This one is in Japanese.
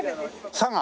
佐賀？